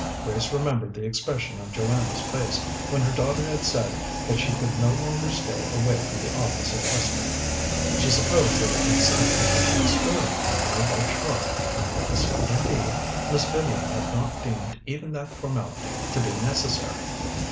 Grace remembered the expression on Joanna's face when her daughter had said that she could no longer stay away from the office at Questerham. She supposed that a consent had been extorted from her by Char, unless, indeed, Miss Vivian had not deemed even that formality to be necessary.